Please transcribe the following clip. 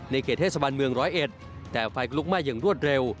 เขตเทศบาลเมืองร้อยเอ็ดแต่ไฟก็ลุกไหม้อย่างรวดเร็ว